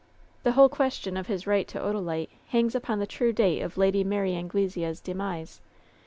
The whole question of his right to Odalite hangs upon the true date of Lady Mary Angle sea's demise.